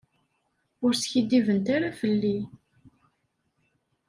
Ur skiddibent ara fell-i.